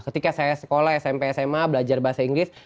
ketika saya sekolah smp sma belajar bahasa inggris